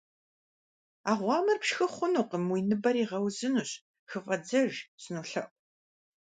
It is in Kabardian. А гъуамэр пшхы хъунукъым уи ныбэр игъэузынщ, хыфӀэдзэж, сынолъэӀу.